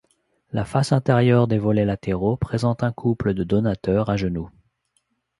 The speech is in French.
La face intérieure des volets latéraux présente un couple de donateurs à genoux.